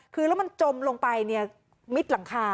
คือมันจมลงไปมิดหลังคา